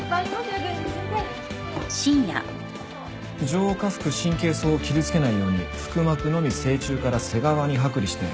上下腹神経叢を傷つけないように腹膜のみ正中から背側に剥離して。